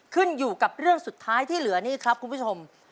ขึ้นอยู่กับเรื่องสุดท้ายที่เหลือนี่ครับคุณผู้ชม